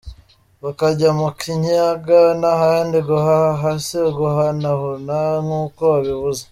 Bakajya mu Kinyaga n’ahandi guhaha si uguhunahuna nk’uko wabivuze